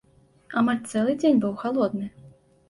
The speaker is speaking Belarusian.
Амаль цэлы дзень быў галодны.